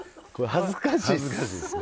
恥ずかしいですね。